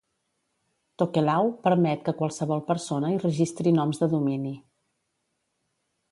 Tokelau permet que qualsevol persona hi registri noms de domini.